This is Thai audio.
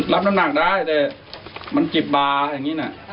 รับน้ำหนักได้แต่มันจิบบาร์อย่างนี้นะ